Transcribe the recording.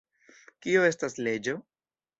Kio estas leĝo?